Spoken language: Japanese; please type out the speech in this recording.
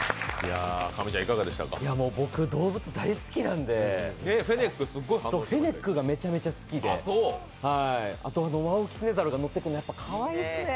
僕、動物大好きなんでフェネックがめちゃくちゃ好きであとワオキツネザルが乗ってくるのかわいいですね。